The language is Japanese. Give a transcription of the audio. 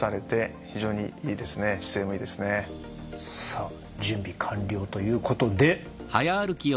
さあ準備完了ということで。